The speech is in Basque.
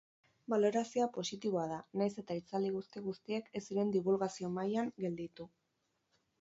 Balorazioa positiboa da, nahiz eta hitzaldi guzti-guztiek ez ziren dibulgazio-mailan gelditu.